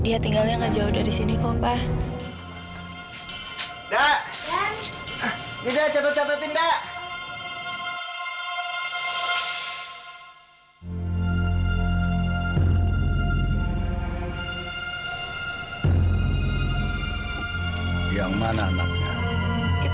sebenarnya ngapain sih kita ke sini